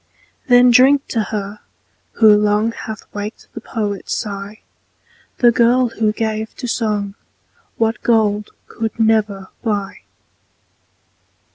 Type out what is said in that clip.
Then drink to her, who long Hath waked the poet's sigh, The girl, who gave to song What gold could never buy.